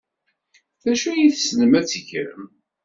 D acu ay tessnem ad tgem?